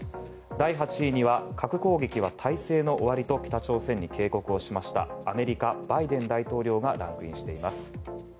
第８位には核攻撃は体制の終わりと北朝鮮に警告をしましたアメリカのバイデン大統領がランクインしています。